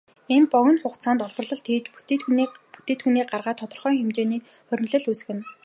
Иймд бид богино хугацаанд олборлолт хийж бүтээгдэхүүнээ гаргаад тодорхой хэмжээний хуримтлал үүсгэнэ.